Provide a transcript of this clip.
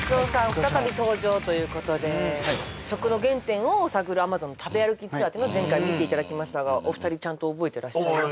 再び登場ということで食の原点を探るアマゾンの食べ歩きツアーっての前回見ていただきましたがお二人覚えてらっしゃいますか？